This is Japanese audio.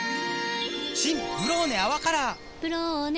新「ブローネ泡カラー」「ブローネ」